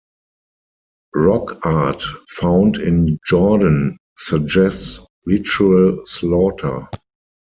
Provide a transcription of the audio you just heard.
Rock art found in Jordan suggests ritual slaughter.